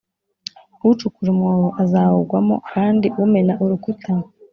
Ucukura umwobo azawugwamo kandi umena urukuta